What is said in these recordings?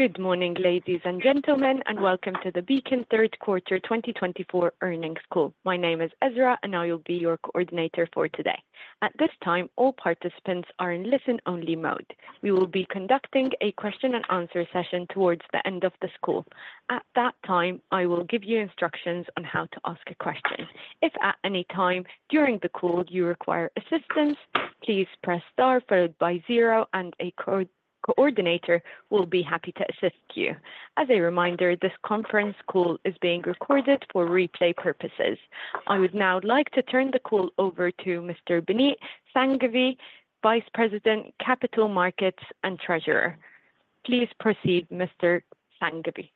Good morning, ladies and gentlemen, and welcome to the Beacon Third Quarter 2024 Earnings Call. My name is Ezra, and I will be your coordinator for today. At this time, all participants are in listen-only mode. We will be conducting a question-and-answer session towards the end of the call. At that time, I will give you instructions on how to ask a question. If at any time during the call you require assistance, please press star followed by zero, and a coordinator will be happy to assist you. As a reminder, this conference call is being recorded for replay purposes. I would now like to turn the call over to Mr. Binit Sanghvi, Vice President, Capital Markets and Treasurer. Please proceed, Mr. Sanghvi.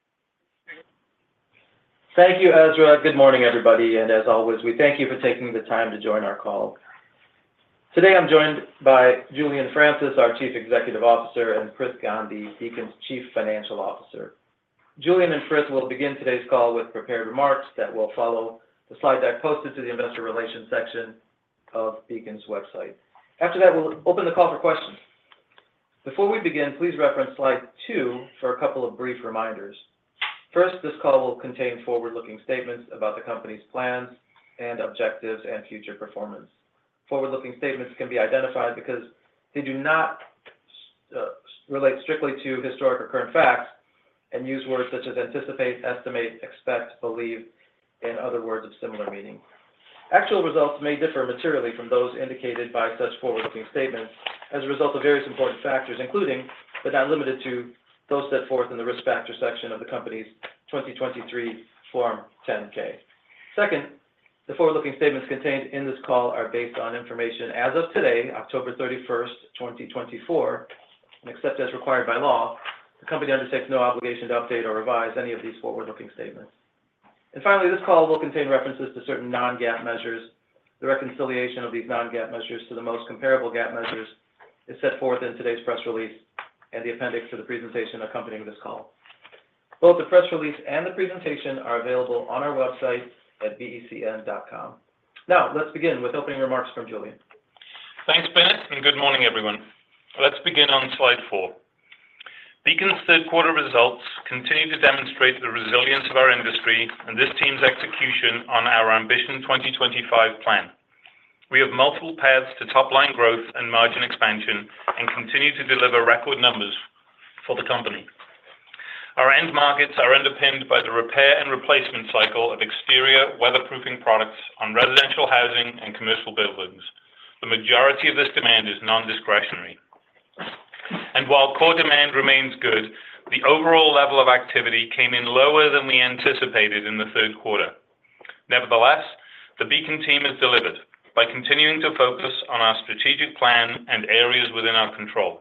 Thank you, Ezra. Good morning, everybody. And as always, we thank you for taking the time to join our call. Today, I'm joined by Julian Francis, our Chief Executive Officer, and Prithvi Gandhi, Beacon's Chief Financial Officer. Julian and Prithvi will begin today's call with prepared remarks that will follow the slide deck posted to the Investor Relations section of Beacon's website. After that, we'll open the call for questions. Before we begin, please reference slide two for a couple of brief reminders. First, this call will contain forward-looking statements about the company's plans and objectives and future performance. Forward-looking statements can be identified because they do not relate strictly to historic or current facts and use words such as anticipate, estimate, expect, believe, and other words of similar meaning. Actual results may differ materially from those indicated by such forward-looking statements as a result of various important factors, including but not limited to those set forth in the risk factor section of the company's 2023 Form 10-K. Second, the forward-looking statements contained in this call are based on information as of today, October 31st, 2024, and except as required by law, the company undertakes no obligation to update or revise any of these forward-looking statements, and finally, this call will contain references to certain non-GAAP measures. The reconciliation of these non-GAAP measures to the most comparable GAAP measures is set forth in today's press release and the appendix to the presentation accompanying this call. Both the press release and the presentation are available on our website at becn.com. Now, let's begin with opening remarks from Julian. Thanks, Binit, and good morning, everyone. Let's begin on slide four. Beacon's third-quarter results continue to demonstrate the resilience of our industry and this team's execution on our Ambition 2025 plan. We have multiple paths to top-line growth and margin expansion and continue to deliver record numbers for the company. Our end markets are underpinned by the repair and replacement cycle of exterior weatherproofing products on residential housing and commercial buildings. The majority of this demand is non-discretionary. And while core demand remains good, the overall level of activity came in lower than we anticipated in the third quarter. Nevertheless, the Beacon team has delivered by continuing to focus on our strategic plan and areas within our control.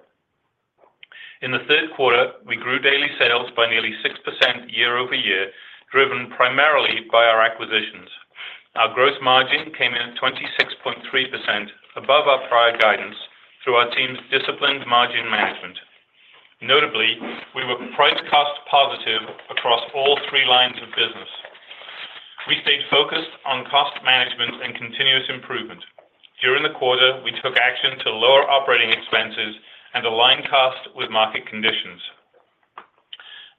In the third quarter, we grew daily sales by nearly 6% year over year, driven primarily by our acquisitions. Our gross margin came in at 26.3% above our prior guidance through our team's disciplined margin management. Notably, we were price-cost positive across all three lines of business. We stayed focused on cost management and continuous improvement. During the quarter, we took action to lower operating expenses and align cost with market conditions.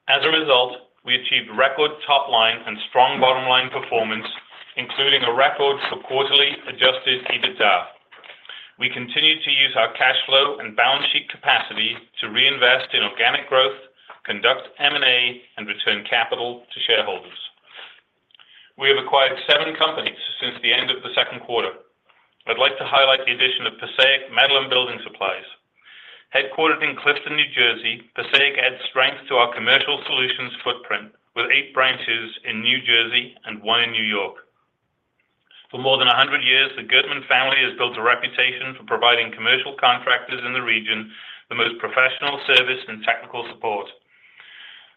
As a result, we achieved record top-line and strong bottom-line performance, including a record for quarterly Adjusted EBITDA. We continue to use our cash flow and balance sheet capacity to reinvest in organic growth, conduct M&A, and return capital to shareholders. We have acquired seven companies since the end of the second quarter. I'd like to highlight the addition of Passaic Metal & Building Supplies. Headquartered in Clifton, New Jersey, Passaic adds strength to our commercial solutions footprint with eight branches in New Jersey and one in New York. For more than 100 years, the Goodman Family has built a reputation for providing commercial contractors in the region the most professional service and technical support.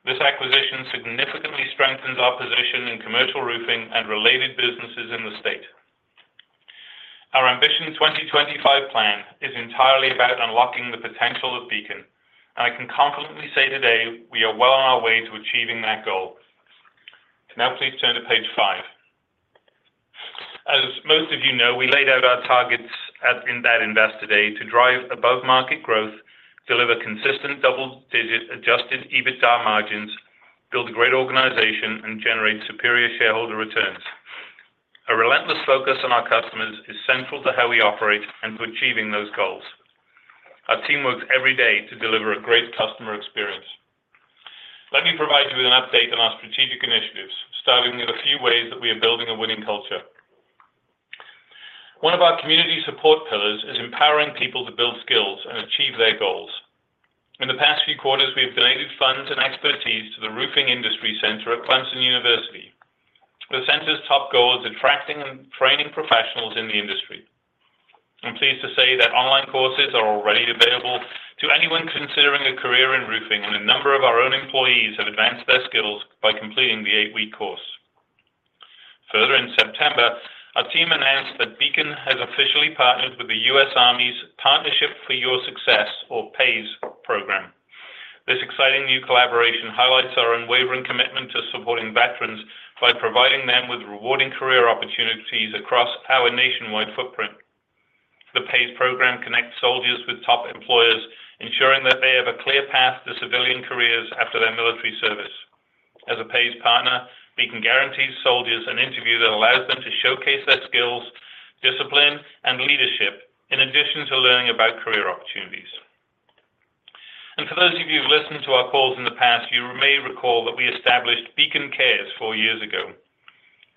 This acquisition significantly strengthens our position in commercial roofing and related businesses in the state. Our Ambition 2025 plan is entirely about unlocking the potential of Beacon, and I can confidently say today we are well on our way to achieving that goal. Now, please turn to page five. As most of you know, we laid out our targets in that invest today to drive above-market growth, deliver consistent double-digit Adjusted EBITDA margins, build a great organization, and generate superior shareholder returns. A relentless focus on our customers is central to how we operate and to achieving those goals. Our team works every day to deliver a great customer experience. Let me provide you with an update on our strategic initiatives, starting with a few ways that we are building a winning culture. One of our community support pillars is empowering people to build skills and achieve their goals. In the past few quarters, we have donated funds and expertise to the Roofing Industry Center at Clemson University. The center's top goal is attracting and training professionals in the industry. I'm pleased to say that online courses are already available to anyone considering a career in roofing, and a number of our own employees have advanced their skills by completing the eight-week course. Further, in September, our team announced that Beacon has officially partnered with the U.S. Army's Partnership for Your Success, or PaYS, program. This exciting new collaboration highlights our unwavering commitment to supporting veterans by providing them with rewarding career opportunities across our nationwide footprint. The PaYS program connects soldiers with top employers, ensuring that they have a clear path to civilian careers after their military service. As a PaYS partner, Beacon guarantees soldiers an interview that allows them to showcase their skills, discipline, and leadership, in addition to learning about career opportunities, and for those of you who've listened to our calls in the past, you may recall that we established Beacon Cares four years ago.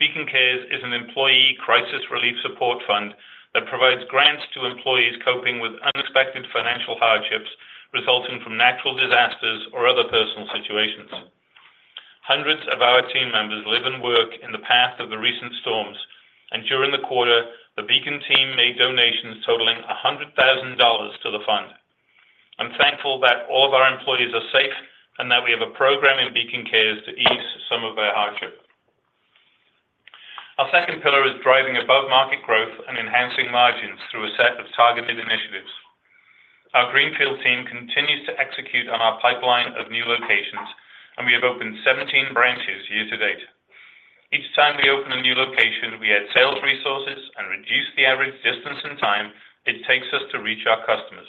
Beacon Cares is an employee crisis relief support fund that provides grants to employees coping with unexpected financial hardships resulting from natural disasters or other personal situations. Hundreds of our team members live and work in the path of the recent storms, and during the quarter, the Beacon team made donations totaling $100,000 to the fund. I'm thankful that all of our employees are safe and that we have a program in Beacon Cares to ease some of their hardship. Our second pillar is driving above-market growth and enhancing margins through a set of targeted initiatives. Our Greenfield team continues to execute on our pipeline of new locations, and we have opened 17 branches year to date. Each time we open a new location, we add sales resources and reduce the average distance and time it takes us to reach our customers.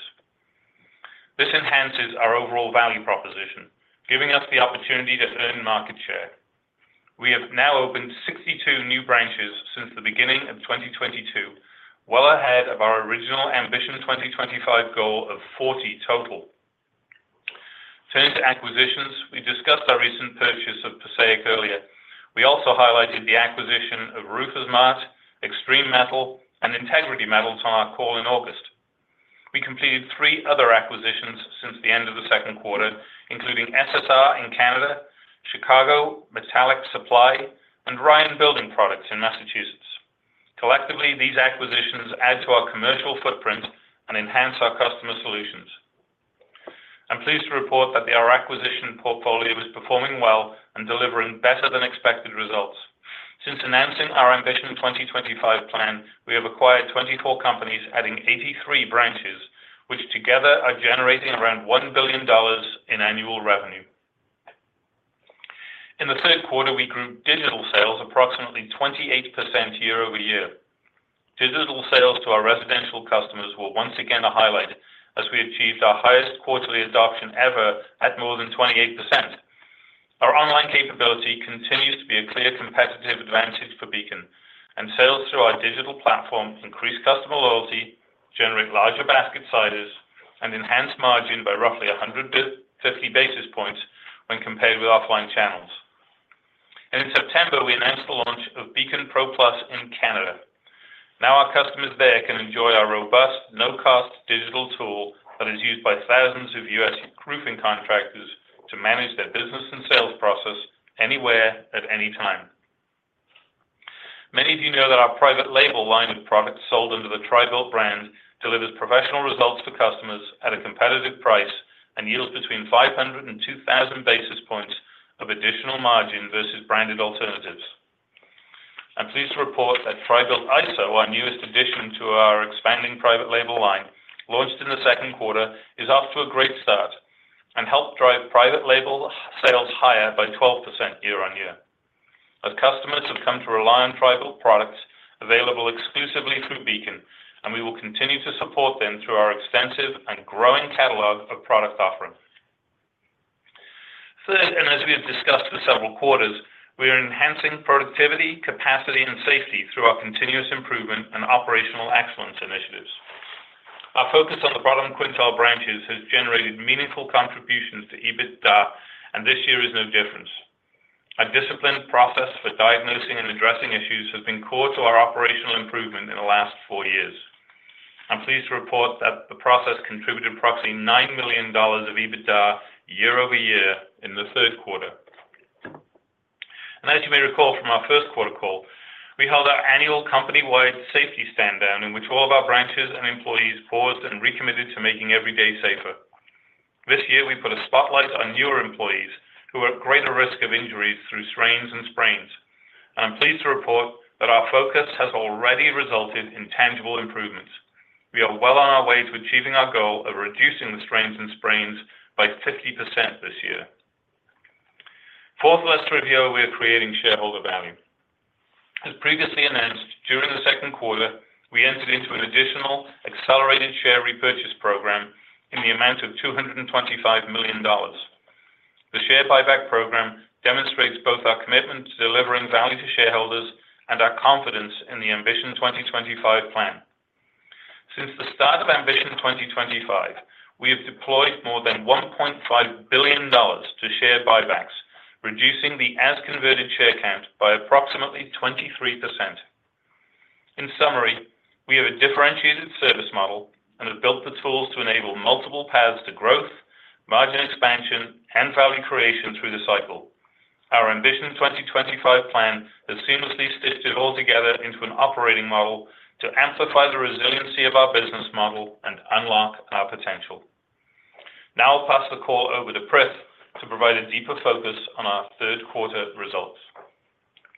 This enhances our overall value proposition, giving us the opportunity to earn market share. We have now opened 62 new branches since the beginning of 2022, well ahead of our original Ambition 2025 goal of 40 total. Turning to acquisitions, we discussed our recent purchase of Passaic earlier. We also highlighted the acquisition of Roofers Mart, Extreme Metal, and Integrity Metals on our call in August. We completed three other acquisitions since the end of the second quarter, including SSR in Canada, Chicago Metal Supply, and Ryan Building Products in Massachusetts. Collectively, these acquisitions add to our commercial footprint and enhance our customer solutions. I'm pleased to report that our acquisition portfolio is performing well and delivering better than expected results. Since announcing our Ambition 2025 plan, we have acquired 24 companies, adding 83 branches, which together are generating around $1 billion in annual revenue. In the third quarter, we grew digital sales approximately 28% year over year. Digital sales to our residential customers were once again a highlight as we achieved our highest quarterly adoption ever at more than 28%. Our online capability continues to be a clear competitive advantage for Beacon, and sales through our digital platform increase customer loyalty, generate larger basket sizes, and enhance margin by roughly 150 basis points when compared with offline channels. In September, we announced the launch of Beacon Pro+ in Canada. Now our customers there can enjoy our robust, no-cost digital tool that is used by thousands of U.S. roofing contractors to manage their business and sales process anywhere at any time. Many of you know that our private label line of products sold under the Tri-Built brand delivers professional results for customers at a competitive price and yields between 500 and 2,000 basis points of additional margin versus branded alternatives. I'm pleased to report that Tri-Built ISO, our newest addition to our expanding private label line launched in the second quarter, is off to a great start and helped drive private label sales higher by 12% year on year. Our customers have come to rely on Tri-Built products available exclusively through Beacon, and we will continue to support them through our extensive and growing catalog of product offerings. Third, and as we have discussed for several quarters, we are enhancing productivity, capacity, and safety through our continuous improvement and operational excellence initiatives. Our focus on the bottom quintile branches has generated meaningful contributions to EBITDA, and this year is no different. Our disciplined process for diagnosing and addressing issues has been core to our operational improvement in the last four years. I'm pleased to report that the process contributed approximately $9 million of EBITDA year over year in the third quarter. And as you may recall from our first quarter call, we held our annual company-wide safety stand down in which all of our branches and employees paused and recommitted to making every day safer. This year, we put a spotlight on newer employees who are at greater risk of injuries through strains and sprains. And I'm pleased to report that our focus has already resulted in tangible improvements. We are well on our way to achieving our goal of reducing the strains and sprains by 50% this year. Fourth, let's review how we are creating shareholder value. As previously announced, during the second quarter, we entered into an additional accelerated share repurchase program in the amount of $225 million. The share buyback program demonstrates both our commitment to delivering value to shareholders and our confidence in the Ambition 2025 plan. Since the start of Ambition 2025, we have deployed more than $1.5 billion to share buybacks, reducing the as-converted share count by approximately 23%. In summary, we have a differentiated service model and have built the tools to enable multiple paths to growth, margin expansion, and value creation through the cycle. Our Ambition 2025 plan has seamlessly stitched it all together into an operating model to amplify the resiliency of our business model and unlock our potential. Now I'll pass the call over to Prith to provide a deeper focus on our third-quarter results.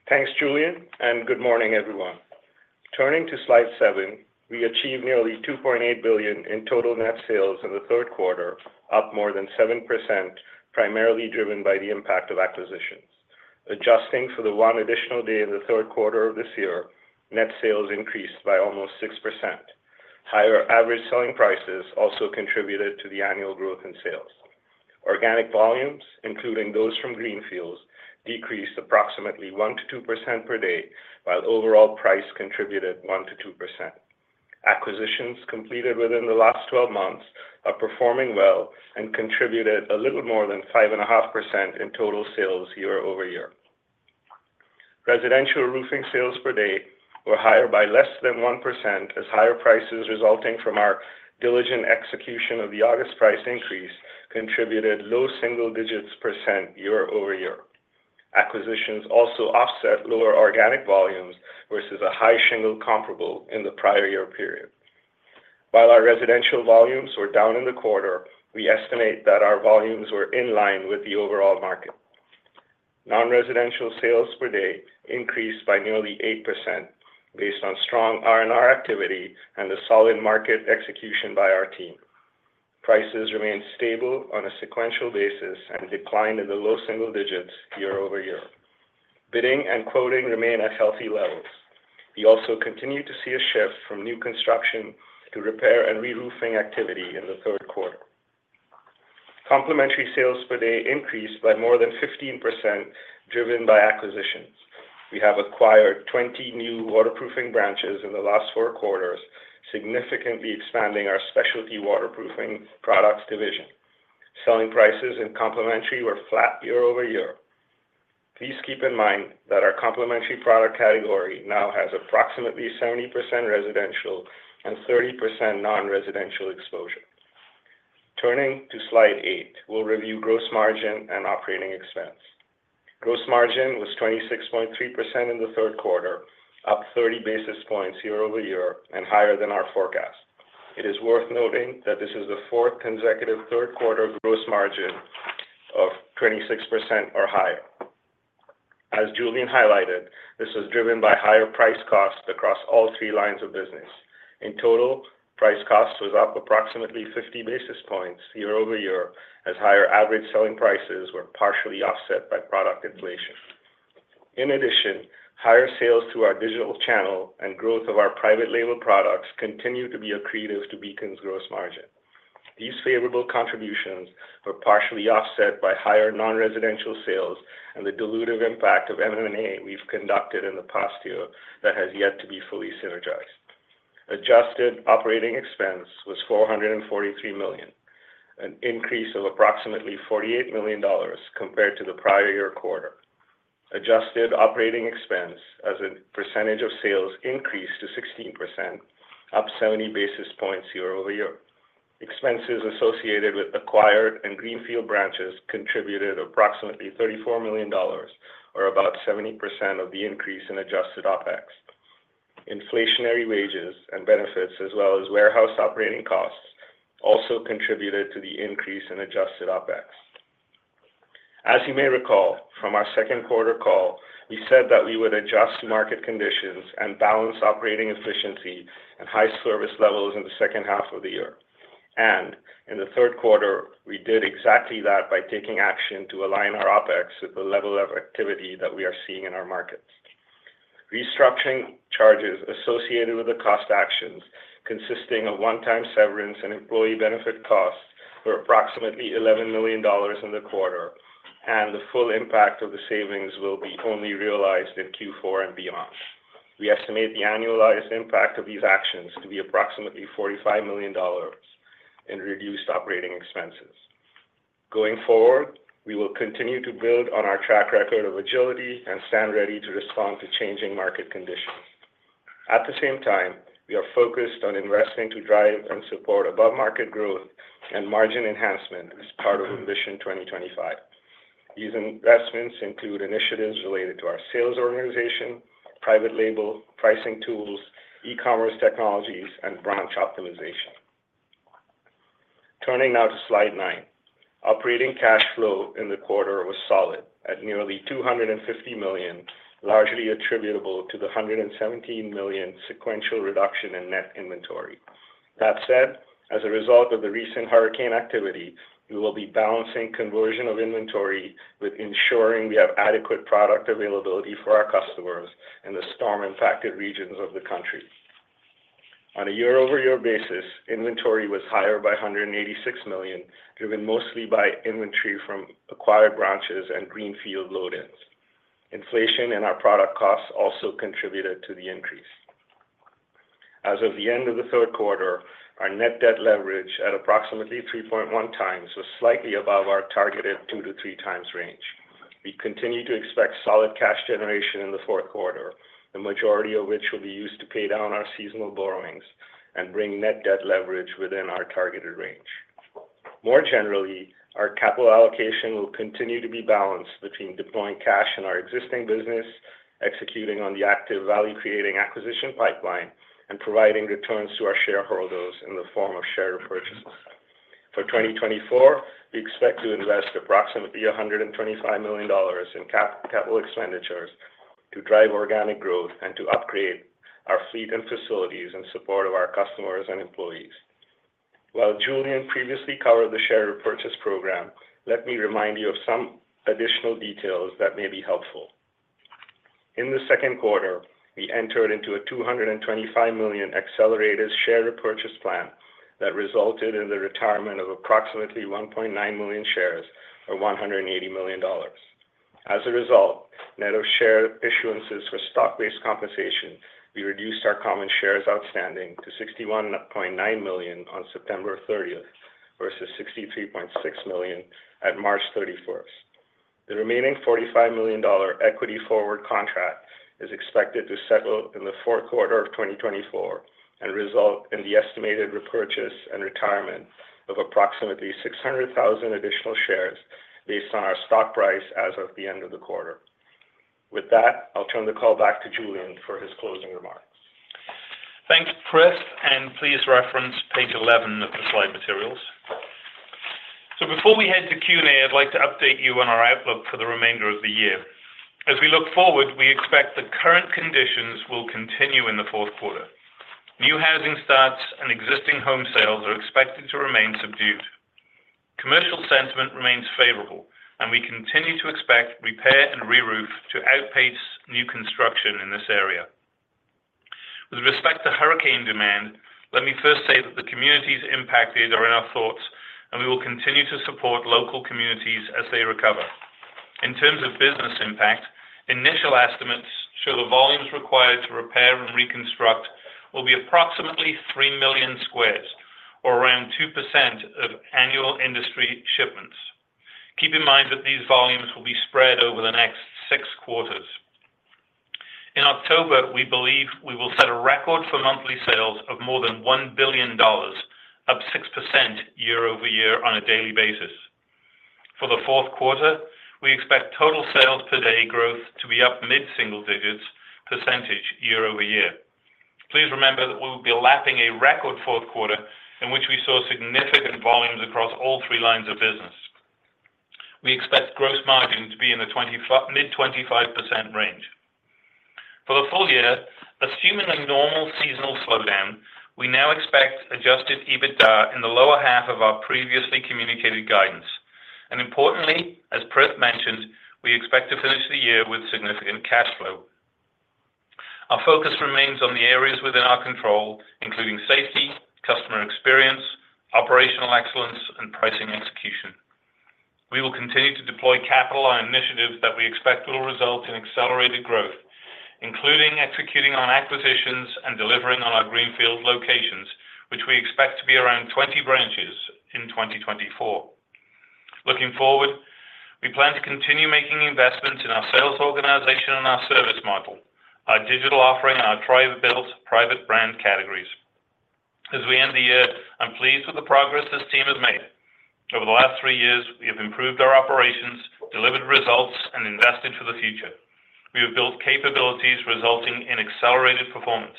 Thanks, Julian, and good morning, everyone. Turning to slide seven, we achieved nearly $2.8 billion in total net sales in the third quarter, up more than 7%, primarily driven by the impact of acquisitions. Adjusting for the one additional day in the third quarter of this year, net sales increased by almost 6%. Higher average selling prices also contributed to the annual growth in sales. Organic volumes, including those from Greenfields, decreased approximately 1%-2% per day, while overall price contributed 1%-2%. Acquisitions completed within the last 12 months are performing well and contributed a little more than 5.5% in total sales year over year. Residential roofing sales per day were higher by less than 1%, as higher prices resulting from our diligent execution of the August price increase contributed low single digits percent year over year. Acquisitions also offset lower organic volumes versus a high shingle comparable in the prior year period. While our residential volumes were down in the quarter, we estimate that our volumes were in line with the overall market. Non-residential sales per day increased by nearly 8% based on strong R&R activity and the solid market execution by our team. Prices remained stable on a sequential basis and declined in the low single digits year over year. Bidding and quoting remain at healthy levels. We also continue to see a shift from new construction to repair and reroofing activity in the third quarter. Complementary sales per day increased by more than 15%, driven by acquisitions. We have acquired 20 new waterproofing branches in the last four quarters, significantly expanding our specialty waterproofing products division. Selling prices in complementary were flat year over year. Please keep in mind that our complementary product category now has approximately 70% residential and 30% non-residential exposure. Turning to slide eight, we'll review gross margin and operating expense. Gross margin was 26.3% in the third quarter, up 30 basis points year over year, and higher than our forecast. It is worth noting that this is the fourth consecutive third quarter gross margin of 26% or higher. As Julian highlighted, this was driven by higher price-cost across all three lines of business. In total, price-cost was up approximately 50 basis points year over year, as higher average selling prices were partially offset by product inflation. In addition, higher sales through our digital channel and growth of our private label products continue to be accretive to Beacon's gross margin. These favorable contributions were partially offset by higher non-residential sales and the dilutive impact of M&A we've conducted in the past year that has yet to be fully synergized. Adjusted operating expense was $443 million, an increase of approximately $48 million compared to the prior year quarter. Adjusted operating expense as a percentage of sales increased to 16%, up 70 basis points year over year. Expenses associated with acquired and Greenfield branches contributed approximately $34 million, or about 70% of the increase in adjusted OpEx. Inflationary wages and benefits, as well as warehouse operating costs, also contributed to the increase in adjusted OpEx. As you may recall from our second quarter call, we said that we would adjust market conditions and balance operating efficiency and high service levels in the second half of the year, and in the third quarter, we did exactly that by taking action to align our OpEx with the level of activity that we are seeing in our markets. Restructuring charges associated with the cost actions consisting of one-time severance and employee benefit costs were approximately $11 million in the quarter, and the full impact of the savings will be only realized in Q4 and beyond. We estimate the annualized impact of these actions to be approximately $45 million in reduced operating expenses. Going forward, we will continue to build on our track record of agility and stand ready to respond to changing market conditions. At the same time, we are focused on investing to drive and support above-market growth and margin enhancement as part of Ambition 2025. These investments include initiatives related to our sales organization, private label, pricing tools, e-commerce technologies, and branch optimization. Turning now to slide nine, operating cash flow in the quarter was solid at nearly $250 million, largely attributable to the $117 million sequential reduction in net inventory. That said, as a result of the recent hurricane activity, we will be balancing conversion of inventory with ensuring we have adequate product availability for our customers in the storm-impacted regions of the country. On a year-over-year basis, inventory was higher by $186 million, driven mostly by inventory from acquired branches and greenfield load-ins. Inflation and our product costs also contributed to the increase. As of the end of the third quarter, our net debt leverage at approximately 3.1 times was slightly above our targeted 2-3 times range. We continue to expect solid cash generation in the fourth quarter, the majority of which will be used to pay down our seasonal borrowings and bring net debt leverage within our targeted range. More generally, our capital allocation will continue to be balanced between deploying cash in our existing business, executing on the active value-creating acquisition pipeline, and providing returns to our shareholders in the form of share repurchases. For 2024, we expect to invest approximately $125 million in capital expenditures to drive organic growth and to upgrade our fleet and facilities in support of our customers and employees. While Julian previously covered the share repurchase program, let me remind you of some additional details that may be helpful. In the second quarter, we entered into a $225 million accelerated share repurchase plan that resulted in the retirement of approximately 1.9 million shares, or $180 million. As a result, net of share issuances for stock-based compensation, we reduced our common shares outstanding to 61.9 million on September 30th versus 63.6 million at March 31st. The remaining $45 million equity forward contract is expected to settle in the fourth quarter of 2024 and result in the estimated repurchase and retirement of approximately 600,000 additional shares based on our stock price as of the end of the quarter. With that, I'll turn the call back to Julian for his closing remarks. Thanks, Prith, and please reference page 11 of the slide materials. So before we head to Q&A, I'd like to update you on our outlook for the remainder of the year. As we look forward, we expect the current conditions will continue in the fourth quarter. New housing starts and existing home sales are expected to remain subdued. Commercial sentiment remains favorable, and we continue to expect repair and reroof to outpace new construction in this area. With respect to hurricane demand, let me first say that the communities impacted are in our thoughts, and we will continue to support local communities as they recover. In terms of business impact, initial estimates show the volumes required to repair and reconstruct will be approximately 3 million squares, or around 2% of annual industry shipments. Keep in mind that these volumes will be spread over the next six quarters. In October, we believe we will set a record for monthly sales of more than $1 billion, up 6% year over year on a daily basis. For the fourth quarter, we expect total sales per day growth to be up mid-single digits percentage year over year. Please remember that we will be lapping a record fourth quarter in which we saw significant volumes across all three lines of business. We expect gross margin to be in the mid-25% range. For the full year, assuming a normal seasonal slowdown, we now expect Adjusted EBITDA in the lower half of our previously communicated guidance, and importantly, as Prith mentioned, we expect to finish the year with significant cash flow. Our focus remains on the areas within our control, including safety, customer experience, operational excellence, and pricing execution. We will continue to deploy capital on initiatives that we expect will result in accelerated growth, including executing on acquisitions and delivering on our greenfield locations, which we expect to be around 20 branches in 2024. Looking forward, we plan to continue making investments in our sales organization and our service model, our digital offering, and our private label private brand categories. As we end the year, I'm pleased with the progress this team has made. Over the last three years, we have improved our operations, delivered results, and invested for the future. We have built capabilities resulting in accelerated performance.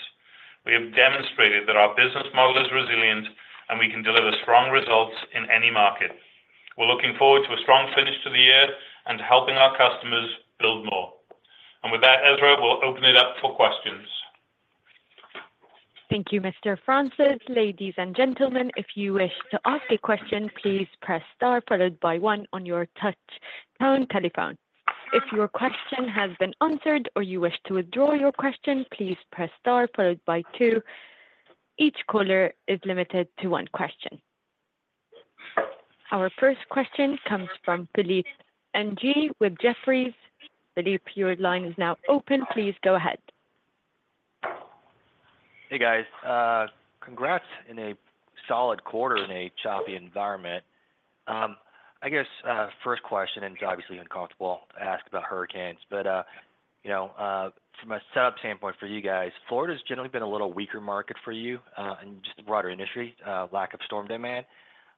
We have demonstrated that our business model is resilient and we can deliver strong results in any market. We're looking forward to a strong finish to the year and helping our customers build more, and with that, Ezra, we'll open it up for questions. Thank you, Mr. Francis. Ladies and gentlemen, if you wish to ask a question, please press star followed by one on your touch-tone telephone. If your question has been answered or you wish to withdraw your question, please press star followed by two. Each caller is limited to one question. Our first question comes from Philip Ng with Jefferies. Philip, your line is now open. Please go ahead. Hey, guys. Congrats on a solid quarter in a choppy environment. I guess first question, and it's obviously uncomfortable to ask about hurricanes, but from a setup standpoint for you guys, Florida has generally been a little weaker market for you and just the broader industry, lack of storm demand.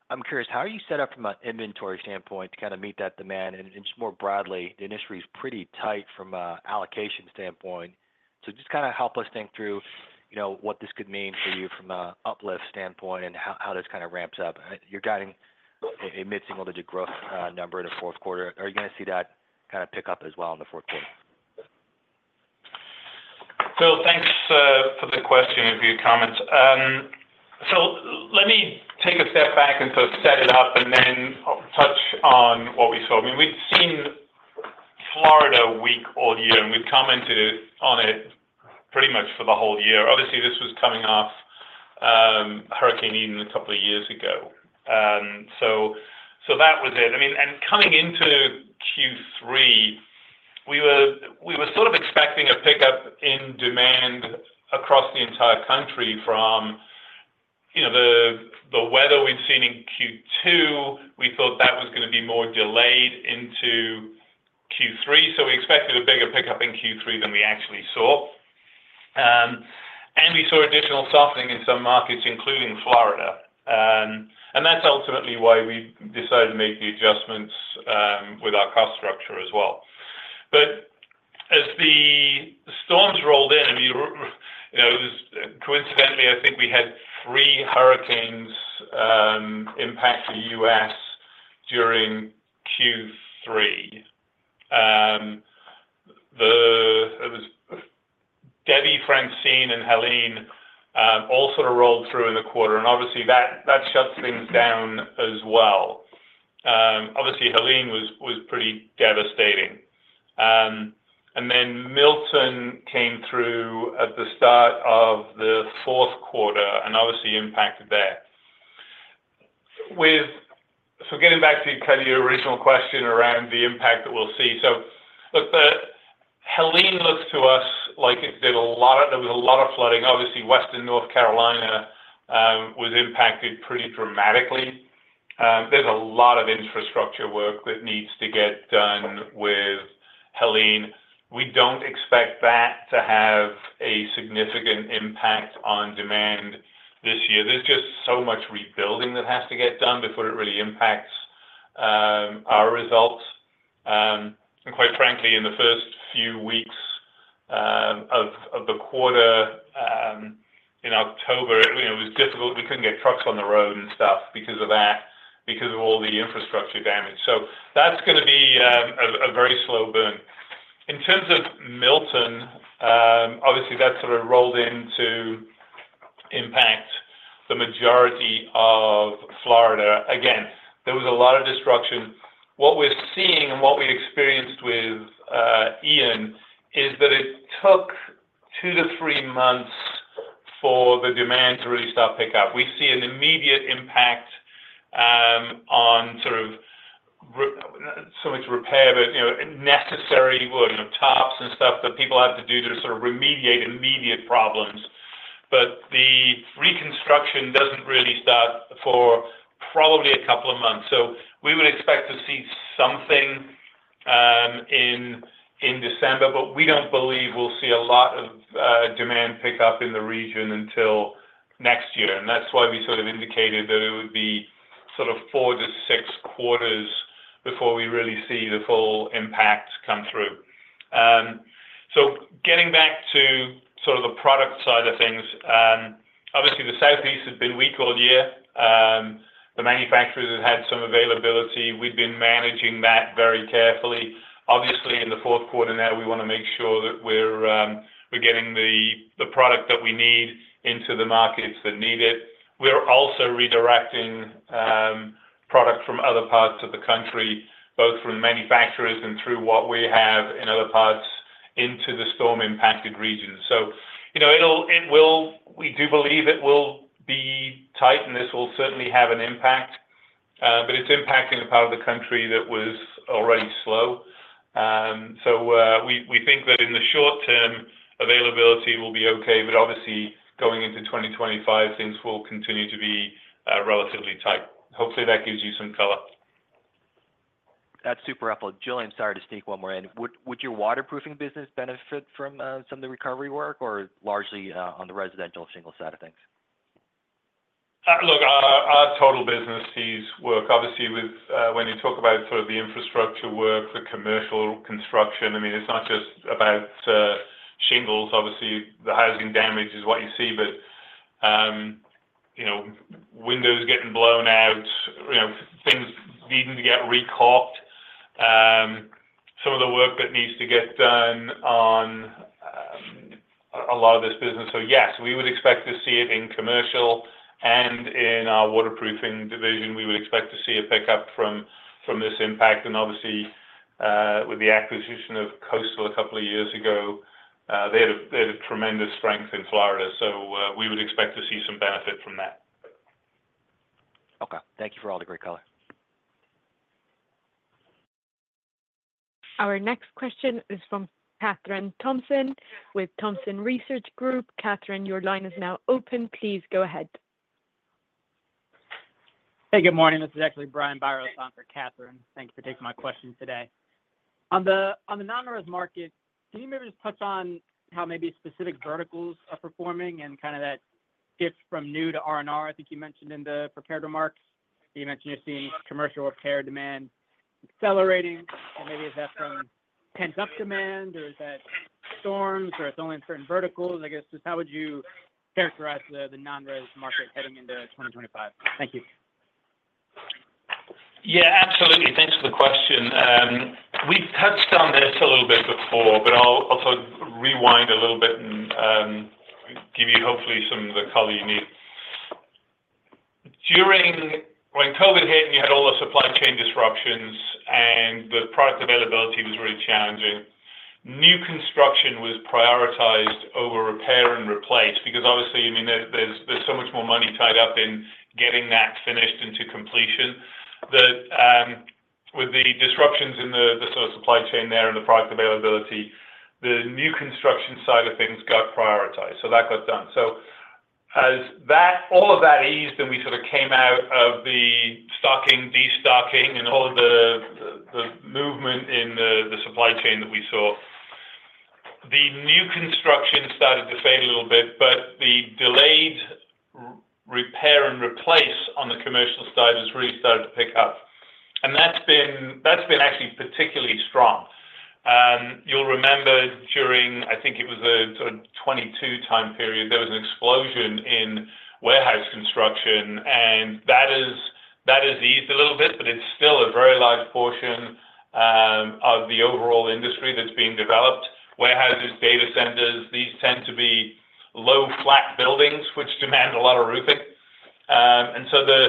I'm curious, how are you set up from an inventory standpoint to kind of meet that demand? And just more broadly, the industry is pretty tight from an allocation standpoint. So just kind of help us think through what this could mean for you from an uplift standpoint and how this kind of ramps up. You're guiding a mid-single digit growth number in the fourth quarter. Are you going to see that kind of pick up as well in the fourth quarter? So thanks for the question and for your comments. So let me take a step back and sort of set it up and then touch on what we saw. I mean, we've seen Florida weak all year, and we've commented on it pretty much for the whole year. Obviously, this was coming off Hurricane Ian a couple of years ago. So that was it. I mean, and coming into Q3, we were sort of expecting a pickup in demand across the entire country from the weather we'd seen in Q2. We thought that was going to be more delayed into Q3, so we expected a bigger pickup in Q3 than we actually saw. And we saw additional softening in some markets, including Florida. And that's ultimately why we decided to make the adjustments with our cost structure as well. But as the storms rolled in, I mean, coincidentally, I think we had three hurricanes impact the U.S. during Q3. It was Debby, Francine, and Helene all sort of rolled through in the quarter. And obviously, that shuts things down as well. Obviously, Helene was pretty devastating. And then Milton came through at the start of the fourth quarter and obviously impacted there. So getting back to kind of your original question around the impact that we'll see. So look, Helene looks to us like there was a lot of flooding. Obviously, Western North Carolina was impacted pretty dramatically. There's a lot of infrastructure work that needs to get done with Helene. We don't expect that to have a significant impact on demand this year. There's just so much rebuilding that has to get done before it really impacts our results. Quite frankly, in the first few weeks of the quarter in October, it was difficult. We couldn't get trucks on the road and stuff because of that, because of all the infrastructure damage. So that's going to be a very slow burn. In terms of Milton, obviously, that sort of rolled in to impact the majority of Florida. Again, there was a lot of destruction. What we're seeing and what we experienced with Ian is that it took two to three months for the demand to really start picking up. We see an immediate impact on sort of so much repair, but necessary work, tops and stuff that people have to do to sort of remediate immediate problems. But the reconstruction doesn't really start for probably a couple of months. So we would expect to see something in December, but we don't believe we'll see a lot of demand pick up in the region until next year. And that's why we sort of indicated that it would be sort of four to six quarters before we really see the full impact come through. So getting back to sort of the product side of things, obviously, the Southeast has been weak all year. The manufacturers have had some availability. We've been managing that very carefully. Obviously, in the fourth quarter now, we want to make sure that we're getting the product that we need into the markets that need it. We're also redirecting product from other parts of the country, both from manufacturers and through what we have in other parts into the storm-impacted region. So we do believe it will be tight, and this will certainly have an impact, but it's impacting a part of the country that was already slow. So we think that in the short term, availability will be okay, but obviously, going into 2025, things will continue to be relatively tight. Hopefully, that gives you some color. That's super helpful. Julian, sorry to sneak one more in. Would your waterproofing business benefit from some of the recovery work or largely on the residential single side of things? Look, our total business sees work. Obviously, when you talk about sort of the infrastructure work, the commercial construction, I mean, it's not just about shingles. Obviously, the housing damage is what you see, but windows getting blown out, things needing to get recaulked, some of the work that needs to get done on a lot of this business. So yes, we would expect to see it in commercial, and in our waterproofing division, we would expect to see a pickup from this impact. And obviously, with the acquisition of Coastal a couple of years ago, they had a tremendous strength in Florida. So we would expect to see some benefit from that. Okay. Thank you for all the great color. Our next question is from Catherine Thompson with Thompson Research Group. Catherine, your line is now open. Please go ahead. Hey, good morning. This is actually Brian Biros on for Catherine. Thank you for taking my question today. On the non-res market, can you maybe just touch on how maybe specific verticals are performing and kind of that shift from new to R&R? I think you mentioned in the prepared remarks you're seeing commercial repair demand accelerating. Maybe is that from pent-up demand, or is that storms, or it's only in certain verticals? I guess just how would you characterize the non-res market heading into 2025? Thank you. Yeah, absolutely. Thanks for the question. We've touched on this a little bit before, but I'll also rewind a little bit and give you hopefully some of the color you need. When COVID hit, and you had all the supply chain disruptions, and the product availability was really challenging, new construction was prioritized over repair and replace because obviously, I mean, there's so much more money tied up in getting that finished into completion that with the disruptions in the sort of supply chain there and the product availability, the new construction side of things got prioritized. So that got done. As all of that eased and we sort of came out of the stocking, destocking, and all of the movement in the supply chain that we saw, the new construction started to fade a little bit, but the delayed repair and replace on the commercial side has really started to pick up. And that's been actually particularly strong. You'll remember during, I think it was a sort of '22 time period, there was an explosion in warehouse construction, and that has eased a little bit, but it's still a very large portion of the overall industry that's being developed. Warehouses, data centers, these tend to be low flat buildings, which demand a lot of roofing. And so the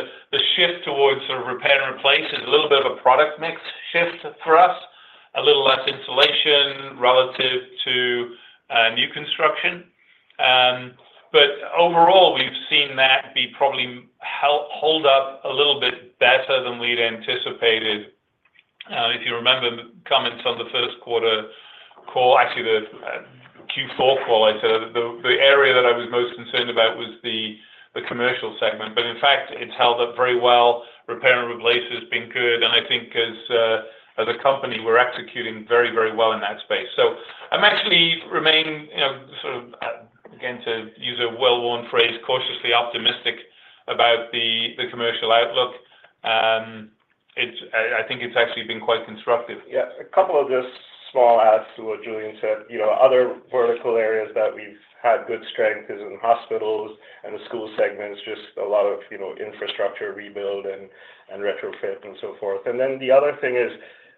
shift towards sort of repair and replace is a little bit of a product mix shift for us, a little less insulation relative to new construction. But overall, we've seen that be probably held up a little bit better than we'd anticipated. If you remember comments on the first quarter call, actually the Q4 call, I said the area that I was most concerned about was the commercial segment, but in fact, it's held up very well. Repair and replace has been good, and I think as a company, we're executing very, very well in that space. So I'm actually remaining sort of, again, to use a well-worn phrase, cautiously optimistic about the commercial outlook. I think it's actually been quite constructive. Yeah. A couple of just small adds to what Julian said. Other vertical areas that we've had good strength is in hospitals and the school segments, just a lot of infrastructure rebuild and retrofit and so forth. And then the other thing is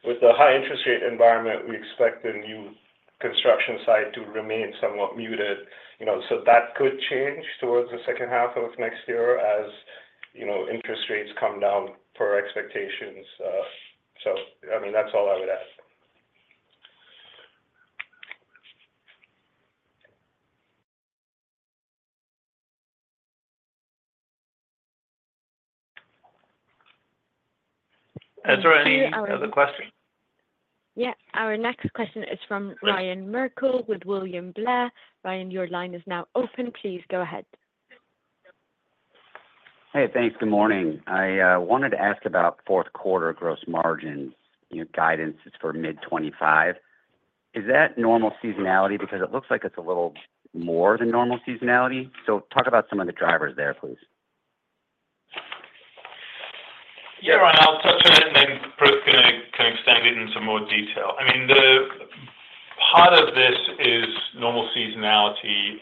with the high interest rate environment, we expect the new construction side to remain somewhat muted. So that could change towards the second half of next year as interest rates come down per expectations. So I mean, that's all I would add. Is there any other question? Yeah. Our next question is from Ryan Merkel with William Blair. Ryan, your line is now open. Please go ahead. Hey, thanks. Good morning. I wanted to ask about fourth quarter gross margin guidance for mid-2025. Is that normal seasonality because it looks like it's a little more than normal seasonality? So talk about some of the drivers there, please. Yeah, Ryan, I'll touch on it, and then Prith can extend it into more detail. I mean, part of this is normal seasonality.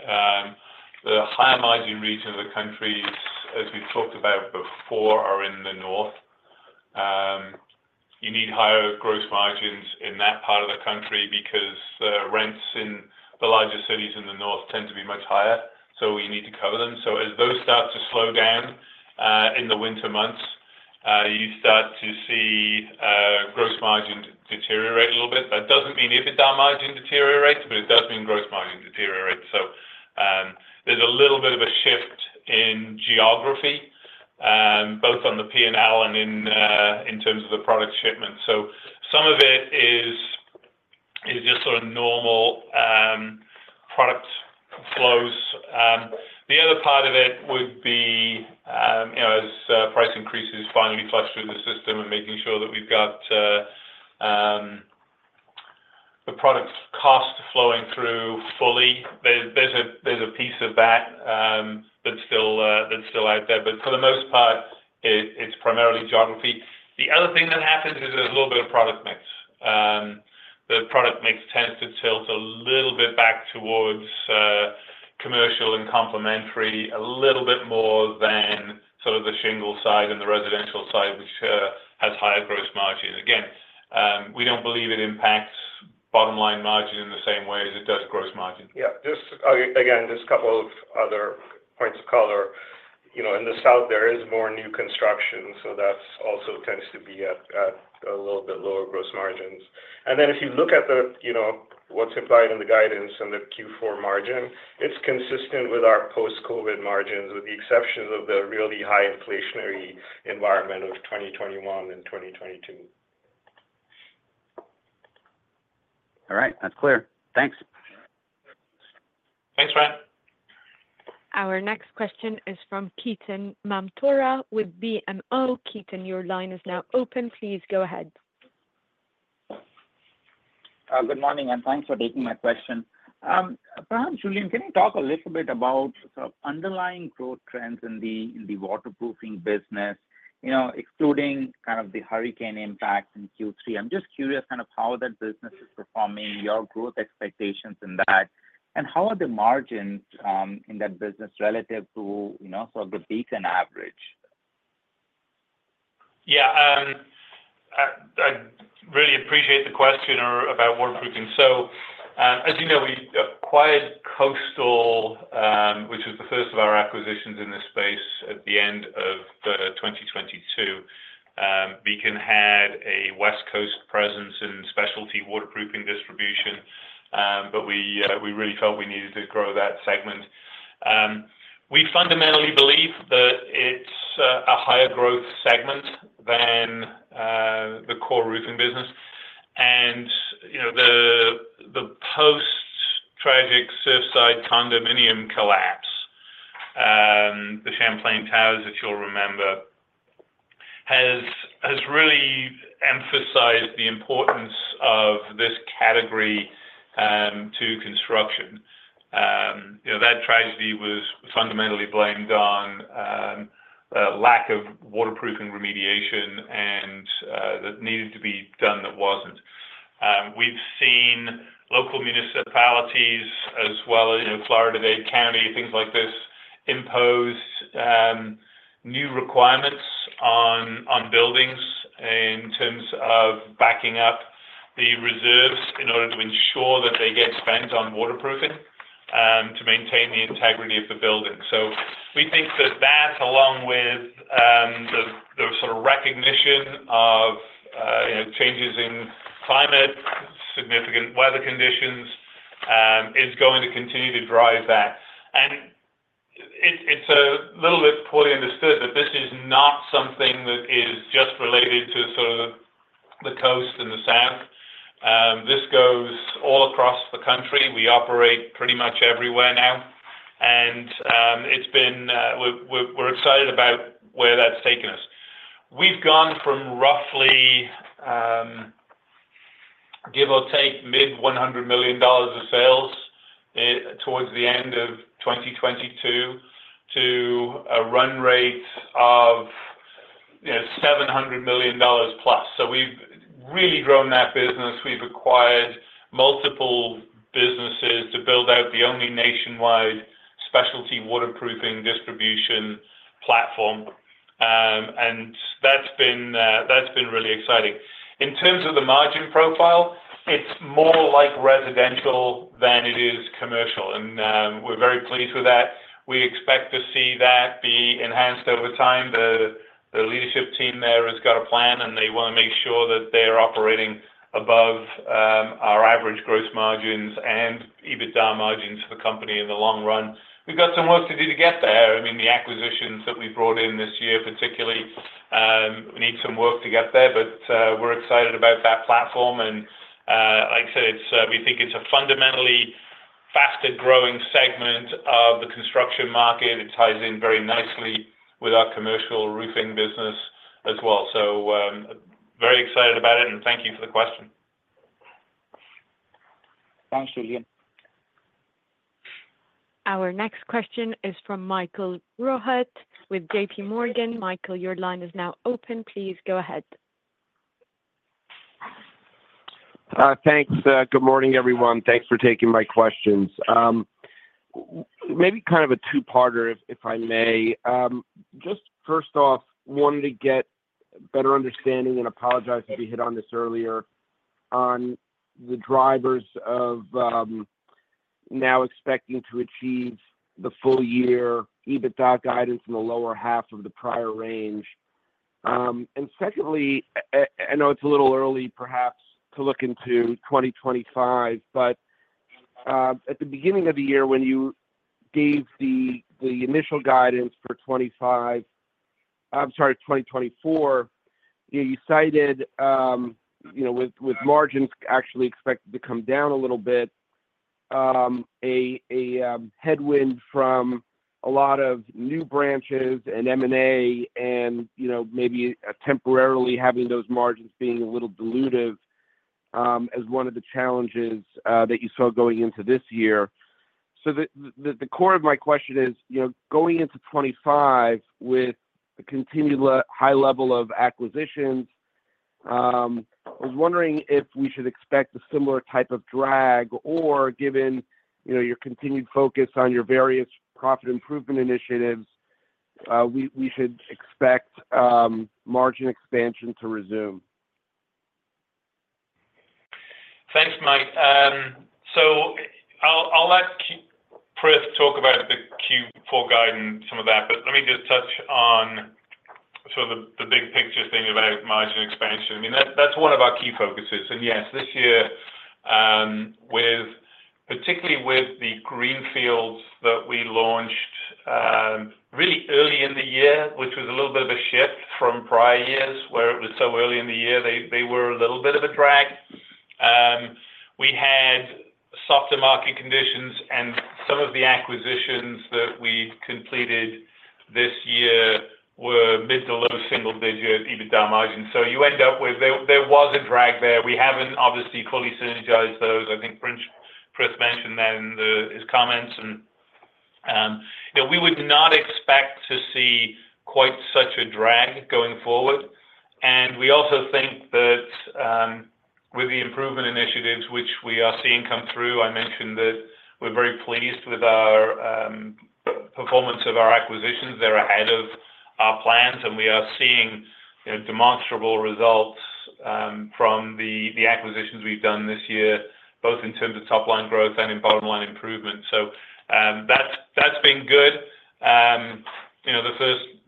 The higher margin region of the country, as we've talked about before, are in the north. You need higher gross margins in that part of the country because rents in the larger cities in the north tend to be much higher, so you need to cover them. So as those start to slow down in the winter months, you start to see gross margin deteriorate a little bit. That doesn't mean EBITDA margin deteriorates, but it does mean gross margin deteriorates. So there's a little bit of a shift in geography, both on the P&L and in terms of the product shipment. So some of it is just sort of normal product flows. The other part of it would be as price increases finally flush through the system and making sure that we've got the product cost flowing through fully. There's a piece of that that's still out there, but for the most part, it's primarily geography. The other thing that happens is there's a little bit of product mix. The product mix tends to tilt a little bit back towards commercial and complementary a little bit more than sort of the shingle side and the residential side, which has higher gross margin. Again, we don't believe it impacts bottom line margin in the same way as it does gross margin. Yeah. Just again, just a couple of other points of color. In the south, there is more new construction, so that also tends to be at a little bit lower gross margins. And then if you look at what's implied in the guidance and the Q4 margin, it's consistent with our post-COVID margins, with the exceptions of the really high inflationary environment of 2021 and 2022. All right. That's clear. Thanks. Thanks, Ryan. Our next question is from Ketan Mamtora with BMO. Ketan, your line is now open. Please go ahead. Good morning, and thanks for taking my question. Perhaps, Julian, can you talk a little bit about sort of underlying growth trends in the waterproofing business, excluding kind of the hurricane impact in Q3? I'm just curious kind of how that business is performing, your growth expectations in that, and how are the margins in that business relative to sort of the Beacon average? Yeah. I really appreciate the question about waterproofing. So as you know, we acquired Coastal, which was the first of our acquisitions in this space at the end of 2022. Beacon had a West Coast presence and specialty waterproofing distribution, but we really felt we needed to grow that segment. We fundamentally believe that it's a higher growth segment than the core roofing business, and the post-tragic Surfside condominium collapse, the Champlain Towers, if you'll remember, has really emphasized the importance of this category to construction. That tragedy was fundamentally blamed on lack of waterproofing remediation and that needed to be done, that wasn't. We've seen local municipalities as well as Florida, Bay County, things like this, impose new requirements on buildings in terms of backing up the reserves in order to ensure that they get spent on waterproofing to maintain the integrity of the building. So we think that that, along with the sort of recognition of changes in climate, significant weather conditions, is going to continue to drive that. And it's a little bit poorly understood, but this is not something that is just related to sort of the coast and the south. This goes all across the country. We operate pretty much everywhere now, and we're excited about where that's taken us. We've gone from roughly, give or take, mid-$100 million of sales towards the end of 2022 to a run rate of $700 million plus. So we've really grown that business. We've acquired multiple businesses to build out the only nationwide specialty waterproofing distribution platform, and that's been really exciting. In terms of the margin profile, it's more like residential than it is commercial, and we're very pleased with that. We expect to see that be enhanced over time. The leadership team there has got a plan, and they want to make sure that they are operating above our average gross margins and EBITDA margins for the company in the long run. We've got some work to do to get there. I mean, the acquisitions that we've brought in this year particularly need some work to get there, but we're excited about that platform. And like I said, we think it's a fundamentally faster growing segment of the construction market. It ties in very nicely with our commercial roofing business as well. So very excited about it, and thank you for the question. Thanks, Julian. Our next question is from Michael Rehaut with JPMorgan. Michael, your line is now open. Please go ahead. Thanks. Good morning, everyone. Thanks for taking my questions. Maybe kind of a two-parter, if I may. Just first off, wanted to get a better understanding and apologize if we hit on this earlier on the drivers of now expecting to achieve the full-year EBITDA guidance in the lower half of the prior range. And secondly, I know it's a little early perhaps to look into 2025, but at the beginning of the year when you gave the initial guidance for 2025, I'm sorry, 2024, you cited, with margins actually expected to come down a little bit, a headwind from a lot of new branches and M&A and maybe temporarily having those margins being a little dilutive as one of the challenges that you saw going into this year. So the core of my question is, going into 2025 with the continued high level of acquisitions, I was wondering if we should expect a similar type of drag or, given your continued focus on your various profit improvement initiatives, we should expect margin expansion to resume? Thanks, Mike. So I'll let Prith talk about the Q4 guide and some of that, but let me just touch on sort of the big picture thing about margin expansion. I mean, that's one of our key focuses. And yes, this year, particularly with the greenfields that we launched really early in the year, which was a little bit of a shift from prior years where it was so early in the year, they were a little bit of a drag. We had softer market conditions, and some of the acquisitions that we completed this year were mid- to low single-digit EBITDA margin. So you end up with there was a drag there. We haven't obviously fully synergized those. I think Prith mentioned that in his comments. And we would not expect to see quite such a drag going forward. And we also think that with the improvement initiatives, which we are seeing come through. I mentioned that we're very pleased with the performance of our acquisitions. They're ahead of our plans, and we are seeing demonstrable results from the acquisitions we've done this year, both in terms of top-line growth and in bottom-line improvement. So that's been good.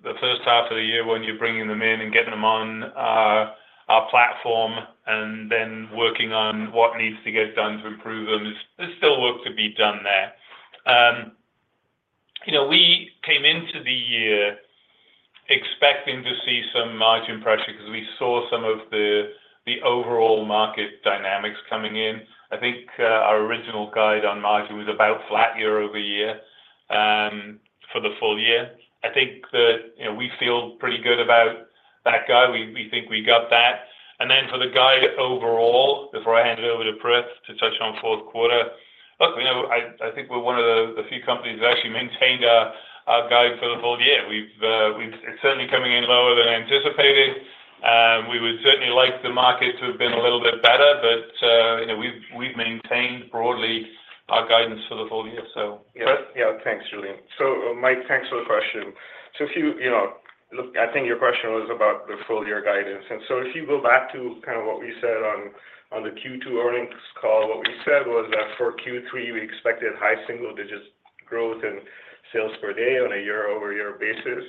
The first half of the year when you're bringing them in and getting them on our platform and then working on what needs to get done to improve them, there's still work to be done there. We came into the year expecting to see some margin pressure because we saw some of the overall market dynamics coming in. I think our original guide on margin was about flat year over year for the full year. I think that we feel pretty good about that guide. We think we got that. And then for the guide overall, before I hand it over to Prith to touch on fourth quarter, look, I think we're one of the few companies that actually maintained our guide for the full year. It's certainly coming in lower than anticipated. We would certainly like the market to have been a little bit better, but we've maintained broadly our guidance for the full year, so. Yeah. Thanks, Julian. So Mike, thanks for the question. So I think your question was about the full-year guidance. And so if you go back to kind of what we said on the Q2 earnings call, what we said was that for Q3, we expected high single-digit growth in sales per day on a year-over-year basis.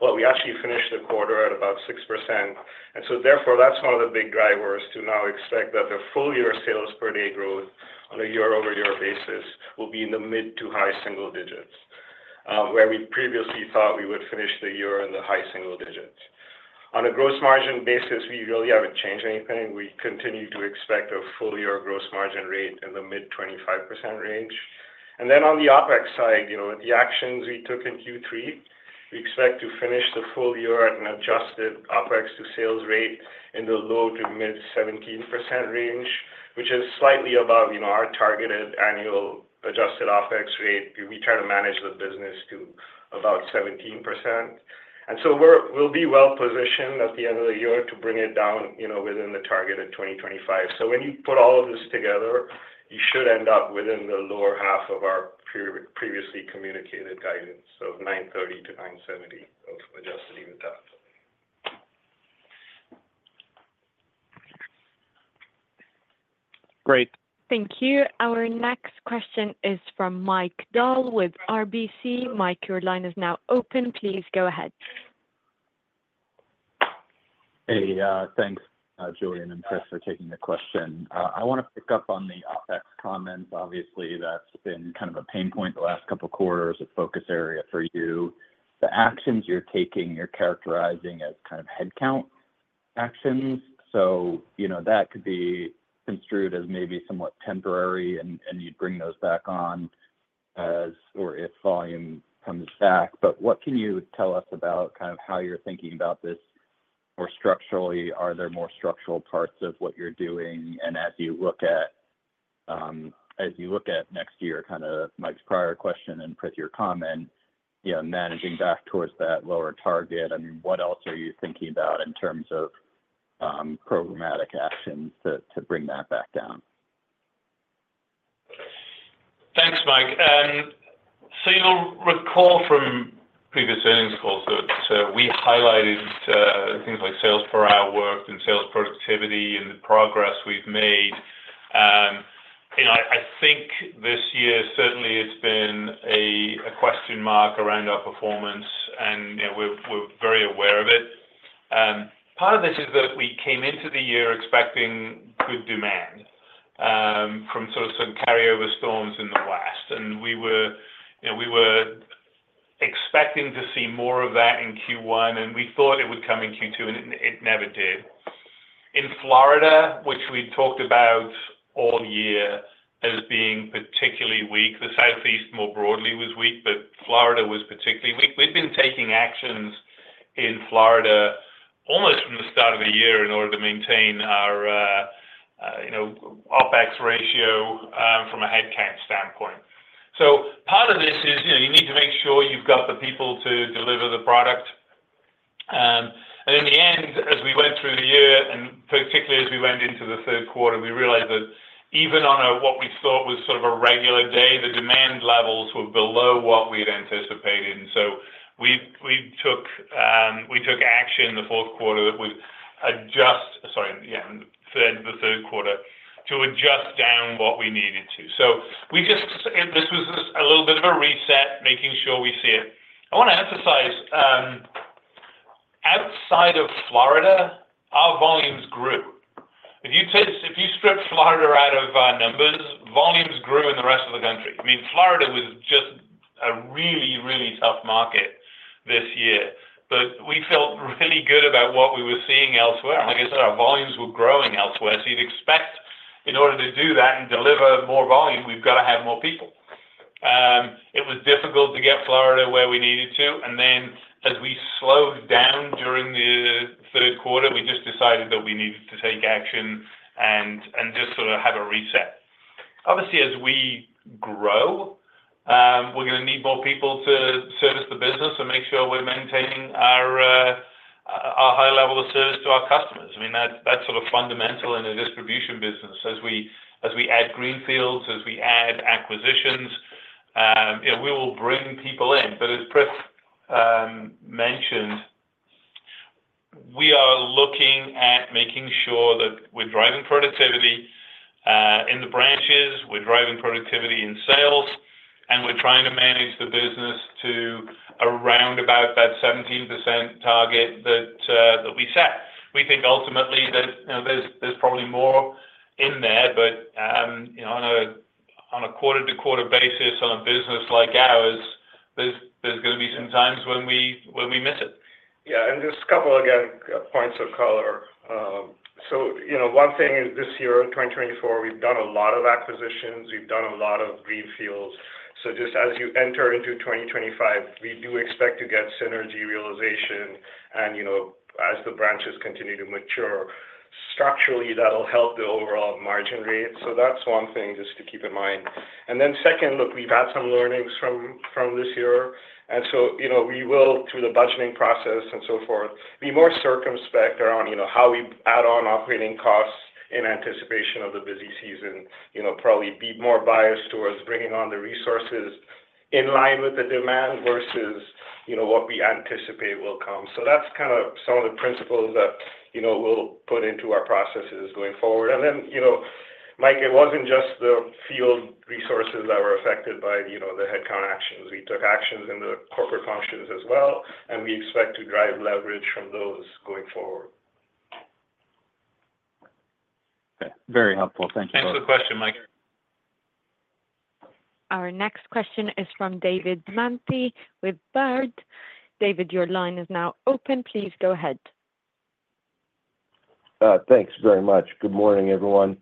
Well, we actually finished the quarter at about 6%. And so therefore, that's one of the big drivers to now expect that the full-year sales per day growth on a year-over-year basis will be in the mid- to high-single-digits, where we previously thought we would finish the year in the high single digits. On a gross margin basis, we really haven't changed anything. We continue to expect a full-year gross margin rate in the mid-25% range. And then on the OpEx side, with the actions we took in Q3, we expect to finish the full year at an adjusted OpEx-to-sales rate in the low- to mid-17% range, which is slightly above our targeted annual adjusted OpEx rate. We try to manage the business to about 17%. And so we'll be well positioned at the end of the year to bring it down within the targeted 2025. When you put all of this together, you should end up within the lower half of our previously communicated guidance of $930 million-$970 million of Adjusted EBITDA. Great. Thank you. Our next question is from Mike Dahl with RBC. Mike, your line is now open. Please go ahead. Hey. Thanks, Julian and Prith, for taking the question. I want to pick up on the OpEx comments. Obviously, that's been kind of a pain point the last couple of quarters, a focus area for you. The actions you're taking, you're characterizing as kind of headcount actions. So that could be construed as maybe somewhat temporary, and you'd bring those back on as or if volume comes back. But what can you tell us about kind of how you're thinking about this? Or structurally, are there more structural parts of what you're doing? And as you look at next year, kind of Mike's prior question and Prith's comment, managing back towards that lower target, I mean, what else are you thinking about in terms of programmatic actions to bring that back down? Thanks, Mike. So you'll recall from previous earnings calls that we highlighted things like sales per hour worked and sales productivity and the progress we've made. I think this year, certainly, it's been a question mark around our performance, and we're very aware of it. Part of this is that we came into the year expecting good demand from sort of some carryover storms in the west. And we were expecting to see more of that in Q1, and we thought it would come in Q2, and it never did. In Florida, which we talked about all year as being particularly weak, the Southeast more broadly was weak, but Florida was particularly weak. We've been taking actions in Florida almost from the start of the year in order to maintain our OpEx ratio from a headcount standpoint. Part of this is you need to make sure you've got the people to deliver the product. In the end, as we went through the year, and particularly as we went into the third quarter, we realized that even on what we thought was sort of a regular day, the demand levels were below what we had anticipated. We took action in the fourth quarter that we've adjusted, sorry, yeah, third quarter, to adjust down what we needed to. This was a little bit of a reset, making sure we see it. I want to emphasize, outside of Florida, our volumes grew. If you strip Florida out of our numbers, volumes grew in the rest of the country. I mean, Florida was just a really, really tough market this year, but we felt really good about what we were seeing elsewhere. And like I said, our volumes were growing elsewhere. So you'd expect, in order to do that and deliver more volume, we've got to have more people. It was difficult to get Florida where we needed to. And then as we slowed down during the third quarter, we just decided that we needed to take action and just sort of have a reset. Obviously, as we grow, we're going to need more people to service the business and make sure we're maintaining our high level of service to our customers. I mean, that's sort of fundamental in a distribution business. As we add greenfields, as we add acquisitions, we will bring people in. But as Prith mentioned, we are looking at making sure that we're driving productivity in the branches, we're driving productivity in sales, and we're trying to manage the business to around about that 17% target that we set. We think ultimately that there's probably more in there, but on a quarter-to-quarter basis on a business like ours, there's going to be some times when we miss it. Yeah. And just a couple of, again, points of color. So one thing is this year, 2024, we've done a lot of acquisitions. We've done a lot of greenfields. So just as you enter into 2025, we do expect to get synergy realization. And as the branches continue to mature, structurally, that'll help the overall margin rate. So that's one thing just to keep in mind. And then second, look, we've had some learnings from this year. And so we will, through the budgeting process and so forth, be more circumspect around how we add on operating costs in anticipation of the busy season, probably be more biased towards bringing on the resources in line with the demand versus what we anticipate will come. So that's kind of some of the principles that we'll put into our processes going forward. And then, Mike, it wasn't just the field resources that were affected by the headcount actions. We took actions in the corporate functions as well, and we expect to drive leverage from those going forward. Okay. Very helpful. Thank you. Thanks for the question, Mike. Our next question is from David Manthey with Baird. David, your line is now open. Please go ahead. Thanks very much. Good morning, everyone.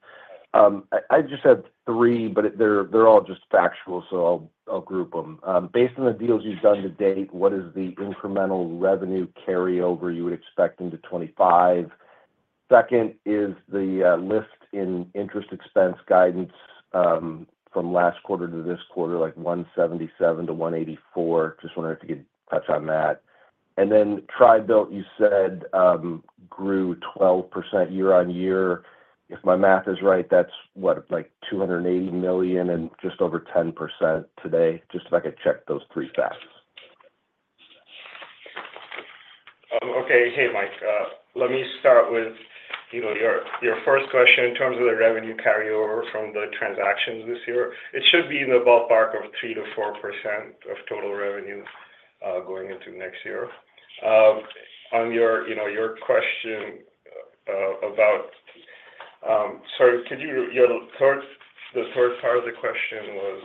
I just had three, but they're all just factual, so I'll group them. Based on the deals you've done to date, what is the incremental revenue carryover you would expect into 2025? Second is the lift in interest expense guidance from last quarter to this quarter, like 177-184. Just wondering if you could touch on that. And then Tri-Built, you said grew 12% year on year. If my math is right, that's what, like $280 million and just over 10% today. Just if I could check those three facts. Okay. Hey, Mike. Let me start with your first question in terms of the revenue carryover from the transactions this year. It should be in the ballpark of 3%-4% of total revenue going into next year. On your question about, sorry, the third part of the question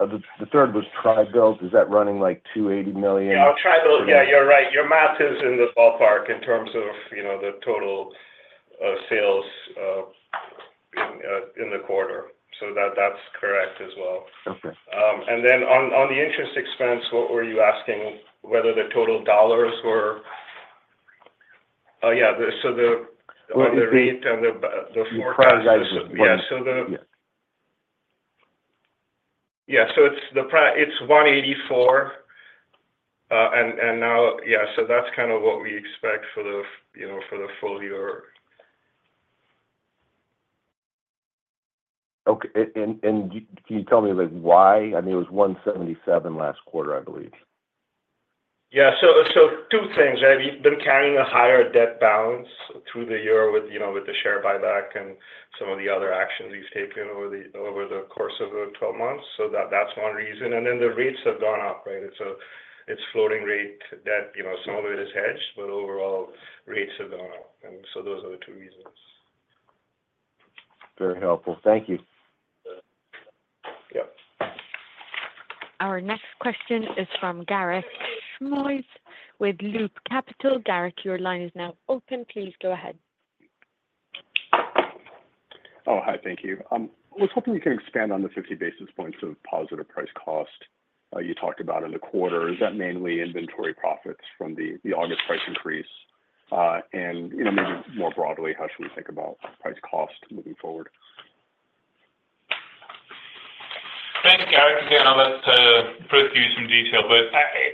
was. The third was Tri-Built. Is that running like $280 million? Yeah. Tri-Built. Yeah. You're right. Your math is in the ballpark in terms of the total sales in the quarter. So that's correct as well. And then on the interest expense, what were you asking? Whether the total dollars were. Oh, yeah. So the rate and the forecast. The price item. Yeah. So it's 184. And now, yeah, so that's kind of what we expect for the full year. Okay. And can you tell me why? I mean, it was 177 last quarter, I believe. Yeah, so two things. We've been carrying a higher debt balance through the year with the share buyback and some of the other actions we've taken over the course of the 12 months, so that's one reason, and then the rates have gone up, right? It's a floating rate that some of it is hedged, but overall, rates have gone up, and so those are the two reasons. Very helpful. Thank you. Yep. Our next question is from Garik Shmois with Loop Capital. Garik, your line is now open. Please go ahead. Oh, hi. Thank you. I was hoping you can expand on the 50 basis points of positive price cost you talked about in the quarter. Is that mainly inventory profits from the August price increase? And maybe more broadly, how should we think about price cost moving forward? Thank you, Garik, again to Prith for giving you some detail, but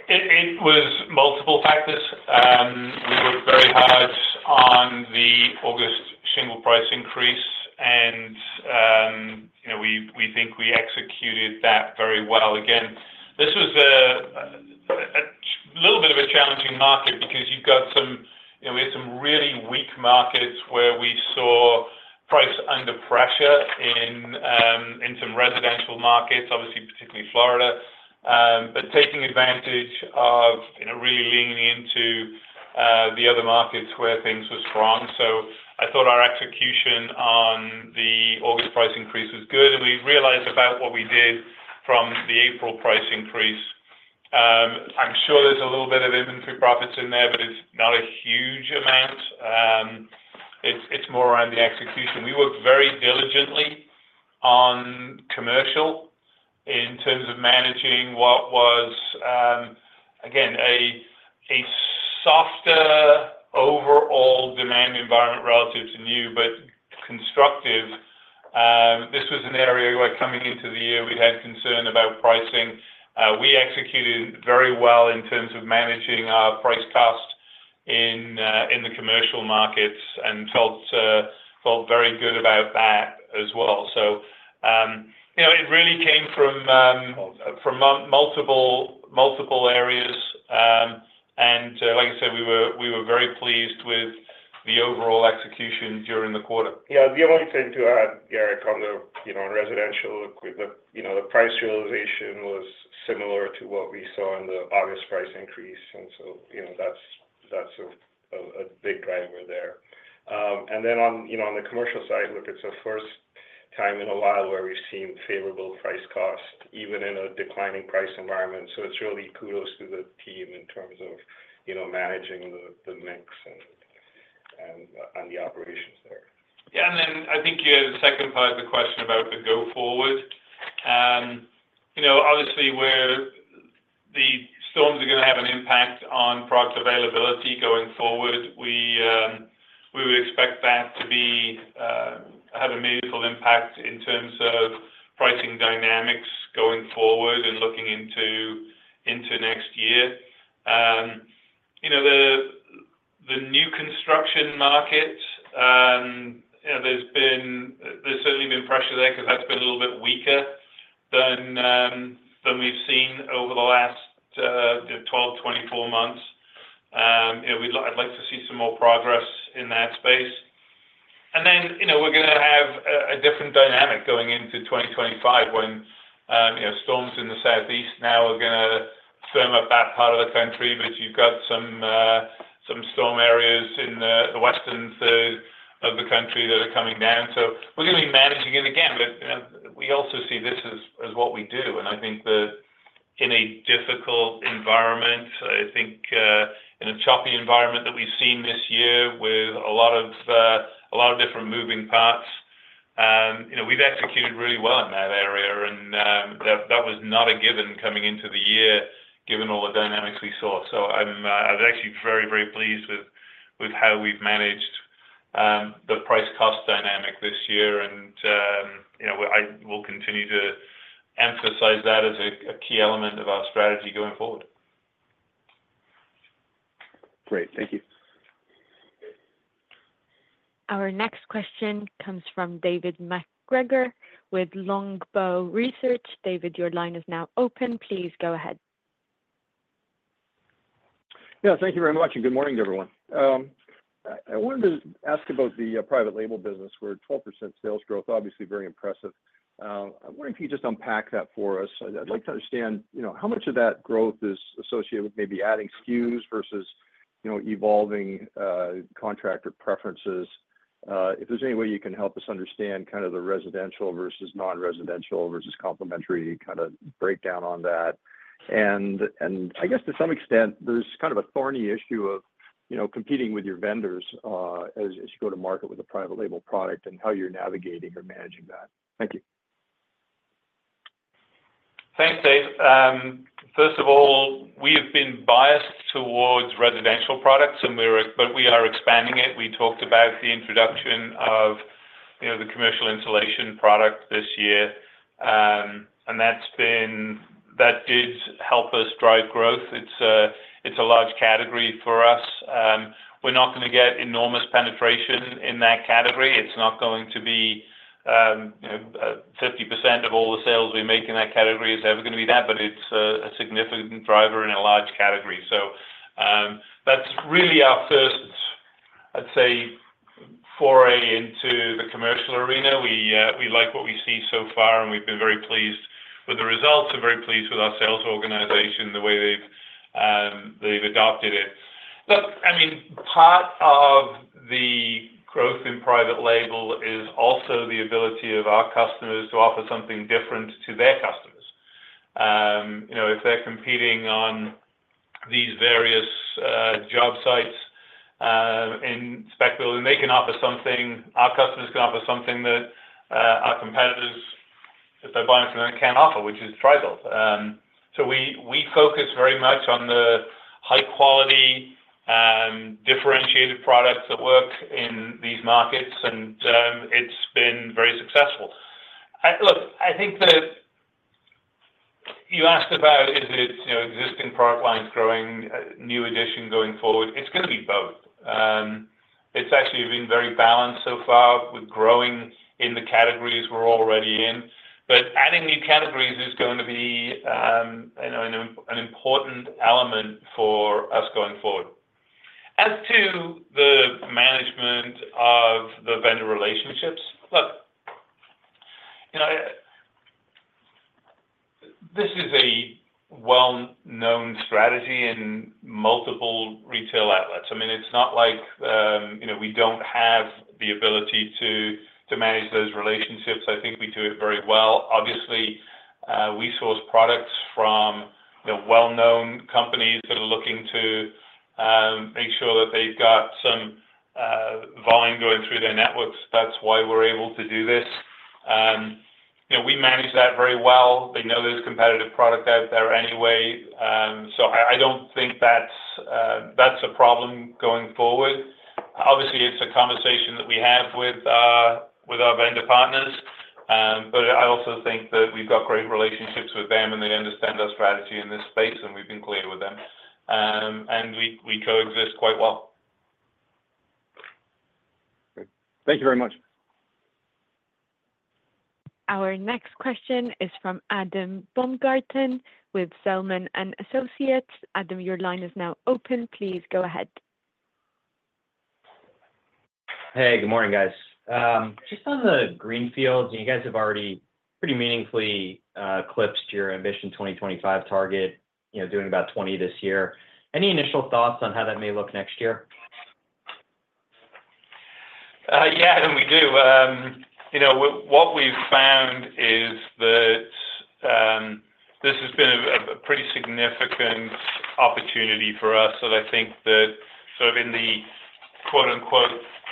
it was multiple factors. We worked very hard on the August single price increase, and we think we executed that very well. Again, this was a little bit of a challenging market because you've got some, we had some really weak markets where we saw price under pressure in some residential markets, obviously, particularly Florida, but taking advantage of really leaning into the other markets where things were strong, so I thought our execution on the August price increase was good, and we realized about what we did from the April price increase. I'm sure there's a little bit of inventory profits in there, but it's not a huge amount. It's more around the execution. We worked very diligently on commercial in terms of managing what was, again, a softer overall demand environment relative to new but constructive. This was an area where, coming into the year, we had concern about pricing. We executed very well in terms of managing our price cost in the commercial markets and felt very good about that as well. So it really came from multiple areas. And like I said, we were very pleased with the overall execution during the quarter. Yeah. The only thing to add, Garik, on the residential, the price realization was similar to what we saw in the August price increase. And so that's a big driver there. And then on the commercial side, look, it's the first time in a while where we've seen favorable price cost, even in a declining price environment. So it's really kudos to the team in terms of managing the mix and the operations there. Yeah. And then I think the second part of the question about the go-forward, obviously, where the storms are going to have an impact on product availability going forward, we would expect that to have a meaningful impact in terms of pricing dynamics going forward and looking into next year. The new construction market, there's certainly been pressure there because that's been a little bit weaker than we've seen over the last 12, 24 months. I'd like to see some more progress in that space. And then we're going to have a different dynamic going into 2025 when storms in the Southeast now are going to firm up that part of the country, but you've got some storm areas in the western third of the country that are coming down. So we're going to be managing it again. But we also see this as what we do. I think that in a difficult environment, I think in a choppy environment that we've seen this year with a lot of different moving parts, we've executed really well in that area. That was not a given coming into the year, given all the dynamics we saw. I was actually very, very pleased with how we've managed the price cost dynamic this year. We'll continue to emphasize that as a key element of our strategy going forward. Great. Thank you. Our next question comes from David MacGregor with Longbow Research. David, your line is now open. Please go ahead. Yeah. Thank you very much, and good morning, everyone. I wanted to ask about the private label business. We're at 12% sales growth, obviously very impressive. I'm wondering if you could just unpack that for us. I'd like to understand how much of that growth is associated with maybe adding SKUs versus evolving contractor preferences. If there's any way you can help us understand kind of the residential versus non-residential versus complementary kind of breakdown on that. And I guess to some extent, there's kind of a thorny issue of competing with your vendors as you go to market with a private label product and how you're navigating or managing that. Thank you. Thanks, Dave. First of all, we have been biased towards residential products, but we are expanding it. We talked about the introduction of the commercial insulation product this year, and that did help us drive growth. It's a large category for us. We're not going to get enormous penetration in that category. It's not going to be 50% of all the sales we make in that category is ever going to be that, but it's a significant driver in a large category. That's really our first, I'd say, foray into the commercial arena. We like what we see so far, and we've been very pleased with the results and very pleased with our sales organization and the way they've adopted it. Look, I mean, part of the growth in private label is also the ability of our customers to offer something different to their customers. If they're competing on these various job sites in spec building, they can offer something. Our customers can offer something that our competitors, if they're buying something, can't offer, which is Tri-Built. So we focus very much on the high-quality, differentiated products that work in these markets, and it's been very successful. Look, I think that you asked about, is it existing product lines growing, new addition going forward? It's going to be both. It's actually been very balanced so far with growing in the categories we're already in. But adding new categories is going to be an important element for us going forward. As to the management of the vendor relationships, look, this is a well-known strategy in multiple retail outlets. I mean, it's not like we don't have the ability to manage those relationships. I think we do it very well. Obviously, we source products from well-known companies that are looking to make sure that they've got some volume going through their networks. That's why we're able to do this. We manage that very well. They know there's competitive product out there anyway. So I don't think that's a problem going forward. Obviously, it's a conversation that we have with our vendor partners, but I also think that we've got great relationships with them, and they understand our strategy in this space, and we've been clear with them, and we coexist quite well. Thank you very much. Our next question is from Adam Baumgarten with Zelman & Associates. Adam, your line is now open. Please go ahead. Hey, good morning, guys. Just on the greenfield, you guys have already pretty meaningfully eclipsed your Ambition 2025 target, doing about 20 this year. Any initial thoughts on how that may look next year? Yeah. We do. What we've found is that this has been a pretty significant opportunity for us, and I think that sort of in the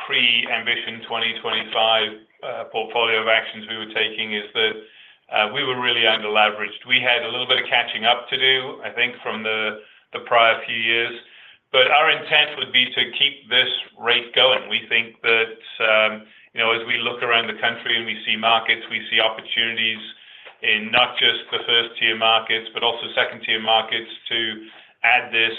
"pre-Ambition 2025" portfolio of actions we were taking is that we were really under-leveraged. We had a little bit of catching up to do, I think, from the prior few years, but our intent would be to keep this rate going. We think that as we look around the country and we see markets, we see opportunities in not just the first-tier markets but also second-tier markets to add this.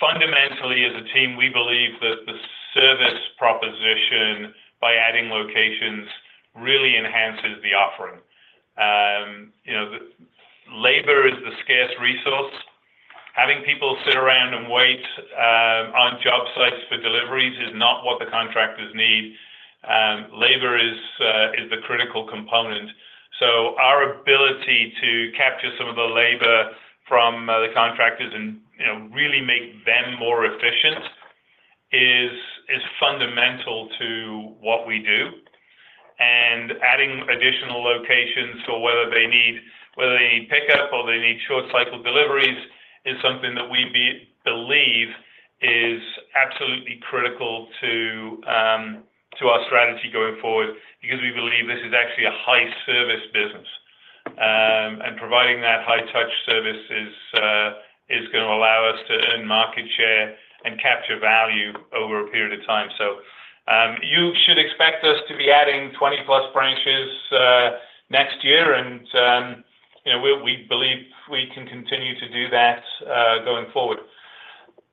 Fundamentally, as a team, we believe that the service proposition, by adding locations, really enhances the offering. Labor is the scarce resource. Having people sit around and wait on job sites for deliveries is not what the contractors need. Labor is the critical component. So our ability to capture some of the labor from the contractors and really make them more efficient is fundamental to what we do. And adding additional locations for whether they need pickup or they need short-cycle deliveries is something that we believe is absolutely critical to our strategy going forward because we believe this is actually a high-service business. And providing that high-touch service is going to allow us to earn market share and capture value over a period of time. So you should expect us to be adding 20-plus branches next year. And we believe we can continue to do that going forward.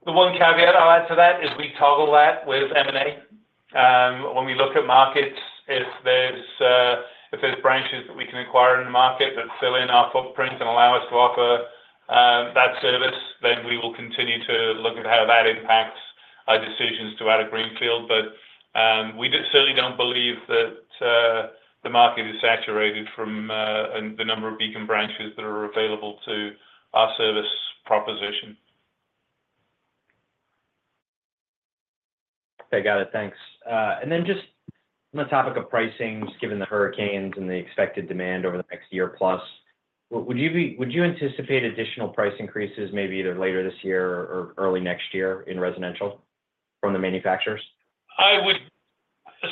The one caveat I'll add to that is we toggle that with M&A. When we look at markets, if there's branches that we can acquire in the market that fill in our footprint and allow us to offer that service, then we will continue to look at how that impacts our decisions throughout a greenfield. But we certainly don't believe that the market is saturated from the number of Beacon branches that are available to our service proposition. I got it. Thanks. And then just on the topic of pricing, just given the hurricanes and the expected demand over the next year plus, would you anticipate additional price increases maybe either later this year or early next year in residential from the manufacturers?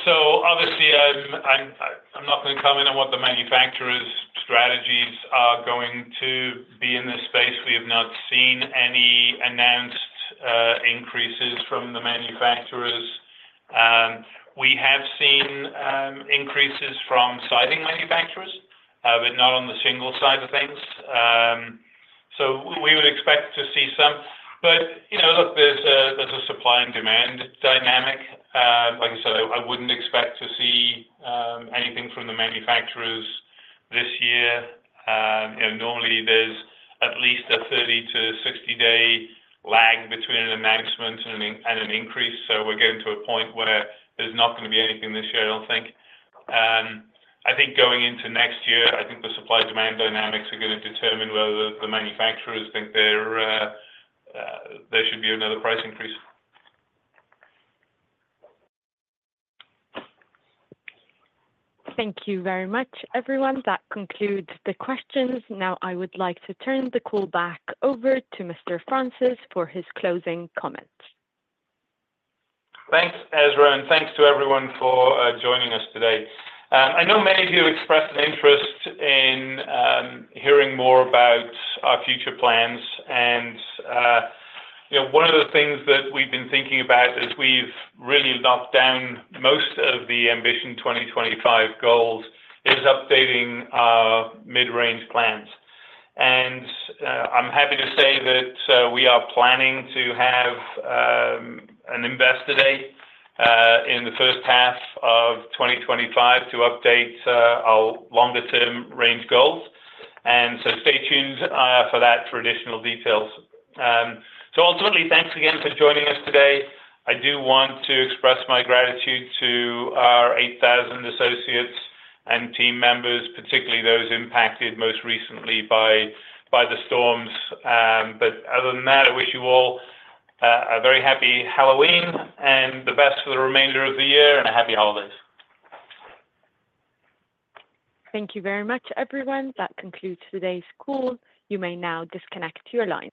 So obviously, I'm not going to comment on what the manufacturers' strategies are going to be in this space. We have not seen any announced increases from the manufacturers. We have seen increases from siding manufacturers, but not on the shingle side of things. So we would expect to see some. But look, there's a supply and demand dynamic. Like I said, I wouldn't expect to see anything from the manufacturers this year. Normally, there's at least a 30-60-day lag between an announcement and an increase. So we're getting to a point where there's not going to be anything this year, I don't think. I think going into next year, I think the supply-demand dynamics are going to determine whether the manufacturers think there should be another price increase. Thank you very much, everyone. That concludes the questions. Now, I would like to turn the call back over to Mr. Francis for his closing comments. Thanks, Ezra. And thanks to everyone for joining us today. I know many of you have expressed an interest in hearing more about our future plans. And one of the things that we've been thinking about as we've really knocked down most of the Ambition 2025 goals is updating our mid-range plans. And I'm happy to say that we are planning to have an investor day in the first half of 2025 to update our longer-term range goals. And so stay tuned for that for additional details. So ultimately, thanks again for joining us today. I do want to express my gratitude to our 8,000 associates and team members, particularly those impacted most recently by the storms. But other than that, I wish you all a very happy Halloween and the best for the remainder of the year and a happy holidays. Thank you very much, everyone. That concludes today's call. You may now disconnect your line.